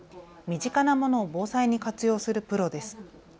身近なものを防災に活用するプロです。